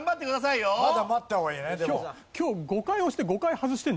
今日５回押して５回外してるんだよ。